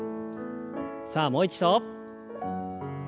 さあもう一度。